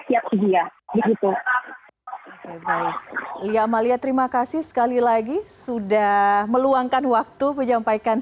siap sedia begitu oke baik iya amalia terima kasih sekali lagi sudah meluangkan waktu menyampaikan